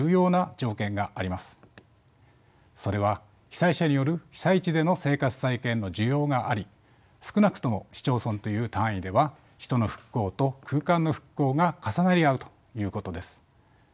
それは被災者による被災地での生活再建の需要があり少なくとも市町村という単位では人の復興と空間の復興が重なり合うということです。